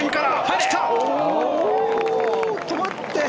止まって。